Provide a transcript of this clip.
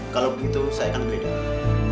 kalau begitu saya akan beritahu